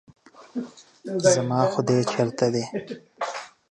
زما خداے چرته دے؟